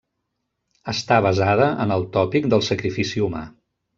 Està basada en el tòpic del sacrifici humà.